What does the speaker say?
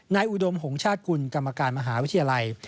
อุดมหงชาติกุลกรรมการมหาวิทยาลัย